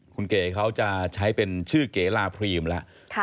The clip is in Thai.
คุณเก๋เขาจะใช้เป็นชื่อเก๋ลาพรีมแล้ว